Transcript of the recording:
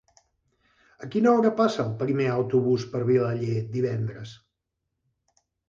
A quina hora passa el primer autobús per Vilaller divendres?